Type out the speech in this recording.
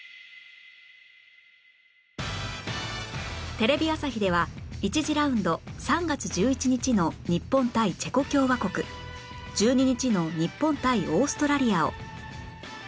テレビ朝日では１次ラウンド３月１１日の日本対チェコ共和国１２日の日本対オーストラリアを